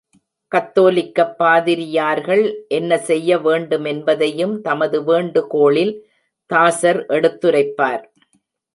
கத்தோலிக்கப் பாதிரியார்கள் என்ன செய்ய வேண்டுமென்பதையும் தமது வேண்டுகோளில் தாசர் எடுத்துரைப்பார்.